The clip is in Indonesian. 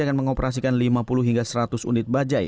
akan mengoperasikan lima puluh hingga seratus unit bajaj